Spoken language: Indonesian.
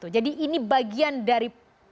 jadi ini bagian dari